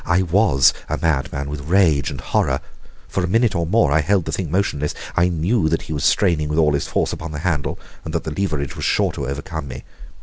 I WAS a madman with rage and horror. For a minute or more I held the thing motionless. I knew that he was straining with all his force upon the handle, and that the leverage was sure to overcome me.